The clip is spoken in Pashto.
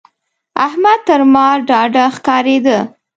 احمد تر ما ډاډه ښکارېده.